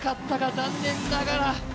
残念ながら。